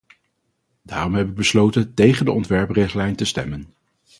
Daarom heb ik besloten tegen de ontwerprichtlijn te stemmen.